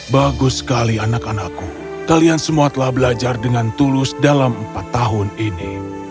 bagus sekali anak anakku kalian semua telah belajar dengan tulus dalam empat tahun ini